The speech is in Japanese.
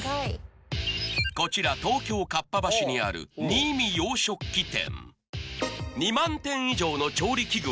こちら東京かっぱ橋にあるニイミ洋食器店